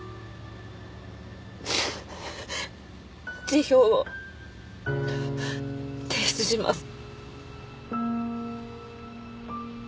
辞表を提出します。